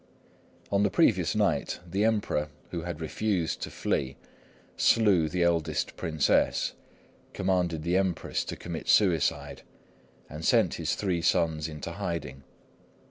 On the previous night, the Emperor, who had refused to flee, slew the eldest Princess, commanded the Empress to commit suicide, and sent his three sons into hiding.